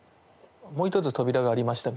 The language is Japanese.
もう一つ扉がありました